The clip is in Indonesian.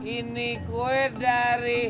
ini kue dari